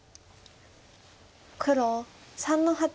黒３の八。